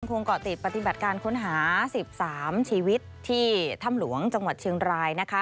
เกาะติดปฏิบัติการค้นหา๑๓ชีวิตที่ถ้ำหลวงจังหวัดเชียงรายนะคะ